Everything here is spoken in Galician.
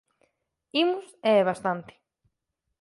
_Imos e é bastante.